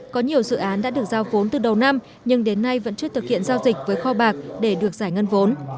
có nhiều dự án đã được giao vốn từ đầu năm nhưng đến nay vẫn chưa thực hiện giao dịch với kho bạc để được giải ngân vốn